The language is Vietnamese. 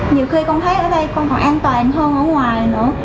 nhiều khi con thấy ở đây con họ an toàn hơn ở ngoài nữa